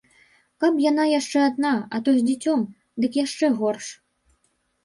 Каб яна яшчэ адна, а то з дзіцем, дык яшчэ горш.